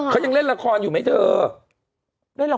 ใครแหวะ